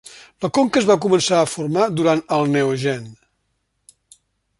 La conca es va començar a formar durant el Neogen.